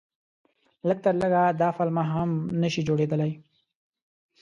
لږ تر لږه دا پلمه هم نه شي جوړېدلای.